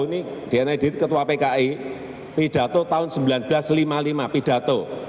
ini dna edit ketua pki pidato tahun seribu sembilan ratus lima puluh lima pidato